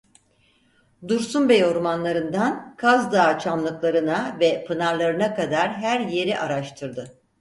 Dursun Bey ormanlarından Kazdağ çamlıklarına ve pınarlarına kadar her yeri araştırdı.